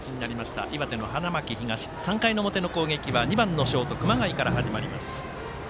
岩手の花巻東３回の表の攻撃は２番のショート熊谷から始まります。